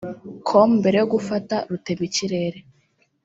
com mbere yo gufata rutemikirere